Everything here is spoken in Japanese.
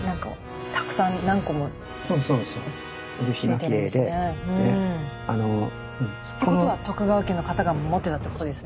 ついてますね。ってことは徳川家の方が持ってたってことですね。